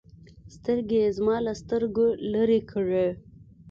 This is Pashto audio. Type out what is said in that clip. سترگې يې زما له سترگو لرې کړې.